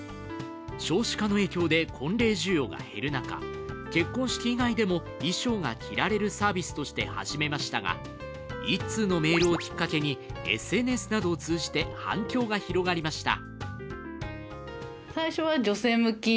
少子化の影響で婚礼需要が減る中、結婚式以外でも衣装が着られるサービスとして始めましたが１通のメールをきっかけにＳＮＳなどを通じて反響が広がりました。